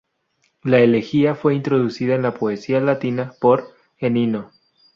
La elegía fue introducida en la poesía latina por Ennio.